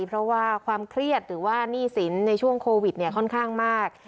เพราะว่าความเครียดหรือว่าหนี้สินในช่วงโควิดเนี่ยค่อนข้างมาก